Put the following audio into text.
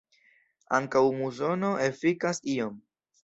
Ankaŭ musono efikas iom.